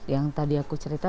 yang tadi aku cerita